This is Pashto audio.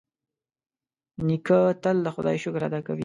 نیکه تل د خدای شکر ادا کوي.